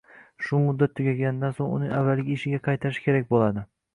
shu muddat tugaganidan so‘ng uni avvalgi ishiga qaytarish kerak bo‘ladi.